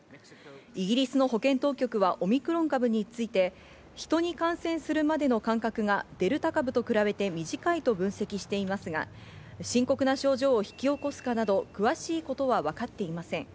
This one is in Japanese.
イギリスの保健当局はオミクロン株について、人に感染するまでの間隔がデルタ株と比べて短いと分析していますが、深刻な症状を引き起こすかなど詳しいことはわかっていません。